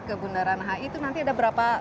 ke bundaran hi itu nanti ada berapa